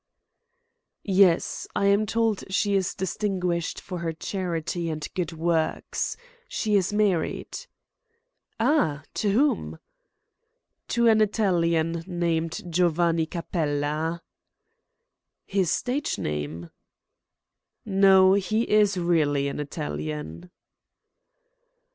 "Yes. I am told she is distinguished for her charity and good works. She is married." "Ah! To whom?" "To an Italian, named Giovanni Capella." "His stage name?" "No; he is really an Italian."